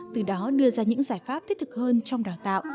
từ đó đưa ra những giải pháp thiết thực hơn trong đào tạo